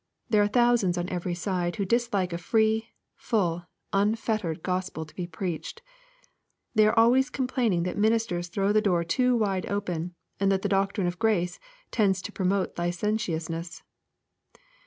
There are thousands on every side who dislike a free, full, unfettered Gospel to be preached. They are always complaining that ministers throw the door too v/ide open, and that the doctrine of grace tends to pro mote licentiousness.